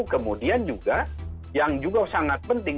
kemudian juga yang juga sangat penting